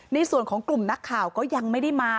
ในส่วนของกลุ่มนักข่าวก็ยังไม่ได้มา